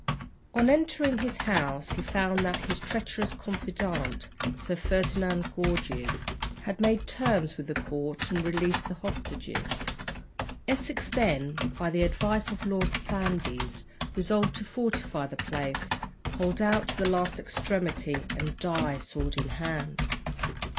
On entering his house, he found that his treacherous confidant, Sir Ferdinand Gorges, had made terms with the court and released the hostages. Essex then, by the advice of Lord Sandys, resolved to fortify the place, hold out to the last extremity, and die sword in hand.